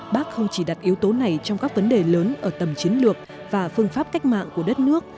bác không chỉ đặt yếu tố này trong các vấn đề lớn ở tầm chiến lược và phương pháp cách mạng của đất nước